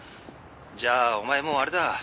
「じゃあお前もうあれだ」